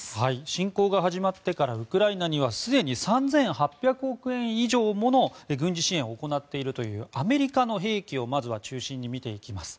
侵攻が始まってからウクライナにはすでに３８００億円以上もの軍事支援を行っているというアメリカの兵器をまずは中心に見ていきます。